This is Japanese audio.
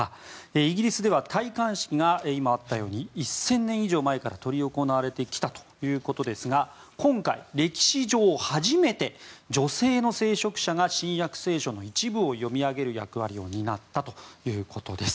イギリスでは戴冠式が今あったように１０００年以上前から執り行われてきたということですが今回、歴史上初めて女性の聖職者が「新約聖書」の一部を読み上げる役割を担ったということです。